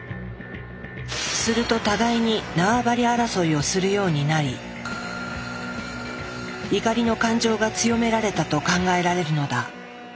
すると互いに縄張り争いをするようになり怒りの感情が強められたと考えられるのだ。